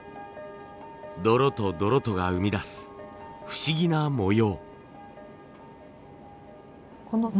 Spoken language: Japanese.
泥と泥とが生み出す不思議な模様。